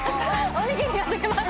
おにぎりができます。